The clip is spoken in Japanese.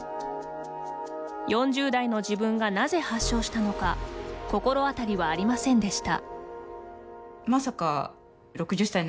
４０代の自分がなぜ発症したのか心当たりはありませんでした。